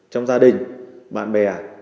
trong gia đình bạn bè